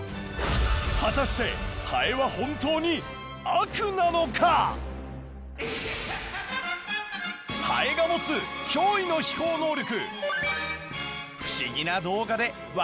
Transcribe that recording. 果たしてハエはハエが持つ驚異の飛行能力！